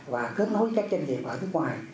và kết nối các doanh nghiệp ở nước ngoài